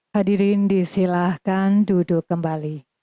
hadirin disilahkan duduk kembali